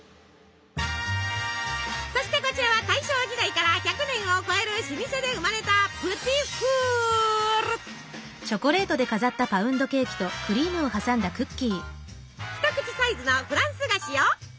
そしてこちらは大正時代から１００年を超える老舗で生まれた一口サイズのフランス菓子よ。